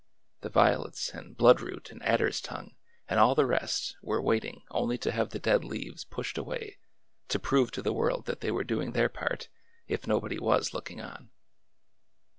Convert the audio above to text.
The violets and bloodroot and adder's tongue and all the rest were wait ing only to have the dead leaves pushed away to prove to the world that they were doing their part, if nobody was looking on.